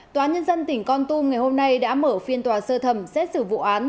tòa nhân dân tỉnh con tum ngày hôm nay đã mở phiên tòa sơ thẩm xét xử vụ án